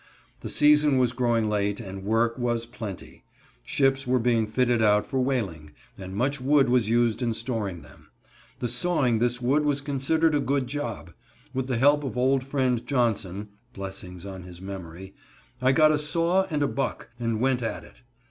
The season was growing late and work was plenty. Ships were being fitted out for whaling, and much wood was used in storing them. The sawing this wood was considered a good job. With the help of old Friend Johnson (blessings on his memory) I got a saw and "buck," and went at it.